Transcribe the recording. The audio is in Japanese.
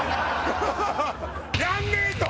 やんねえぞ！